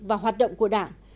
và hoạt động của đảng